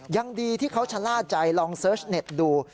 ยังดีที่เขาชะล่าใจลองเสิร์ชเน็ตดู